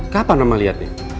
kapan mama lihatnya